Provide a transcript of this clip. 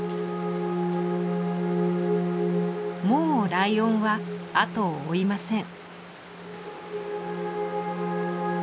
もうライオンはあとを追いません。